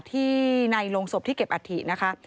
ที่ในโรงศพที่เก็บอัฐี